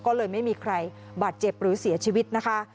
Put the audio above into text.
ก็เลยไม่มีใครบาดเจ็บหรือเสียชีวิตนะคะ